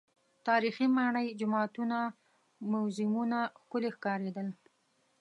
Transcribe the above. تاریخي ماڼۍ، جوماتونه، موزیمونه ښکلي ښکارېدل.